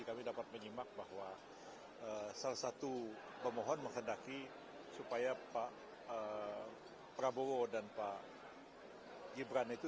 kami dapat menyimak bahwa salah satu pemohon menghendaki supaya pak prabowo dan pak gibran itu